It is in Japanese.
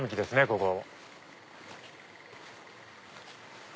ここ。